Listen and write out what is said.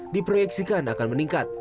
diproyeksikan akan meningkat